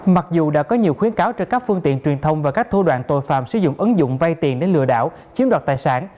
mặc dù đã có nhiều khuyến cáo trên các phương tiện truyền thông và các thô đoạn tội phạm sử dụng ứng dụng vay tiền để lừa đảo chiếm đoạt tài sản